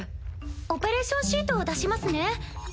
オペレーションシート出しますね。